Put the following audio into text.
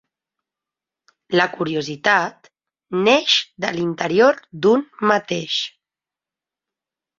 La curiositat neix de l'interior d'un mateix.